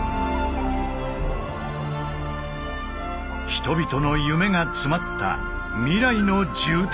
人々の夢が詰まった「未来の住宅」中銀